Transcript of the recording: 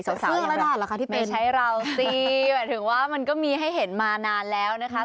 เสื้ออะไรบ้างล่ะคะที่เป็นไม่ใช่เราสิแบบถึงว่ามันก็มีให้เห็นมานานแล้วนะคะ